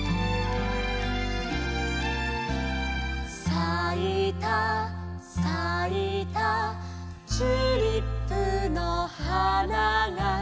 「さいたさいたチューリップの花が」